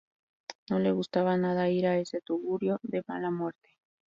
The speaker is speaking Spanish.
No le gustaba nada ir a ese tugurio de mala muerte